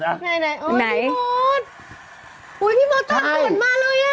ไหนโอ้โฮพี่โม๊ตอุ๊ยพี่โม๊ตตากฝนมาเลยน่ะใช่